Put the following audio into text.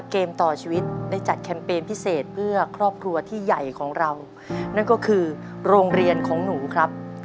เกมต่อชีวิตได้จัดแคมเปญพิเศษเพื่อครอบครัวที่ใหญ่ของเรานั่นก็คือโรงเรียนของหนูครับ